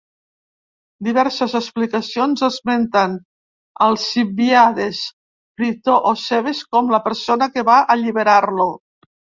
Diverses explicacions esmenten Alcibíades, Critó o Cebes com la persona que va alliberar-lo.